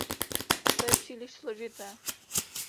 To je příliš složité.